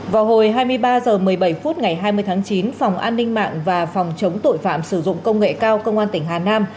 vào hồi hai mươi ba h một mươi bảy phút ngày hai mươi tháng chín phòng an ninh mạng và phòng chống tội phạm sử dụng công nghệ cao công an tỉnh hà nam